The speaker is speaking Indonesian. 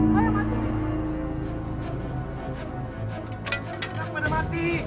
ternak pada mati